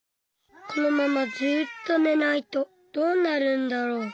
このままずっとねないとどうなるんだろう？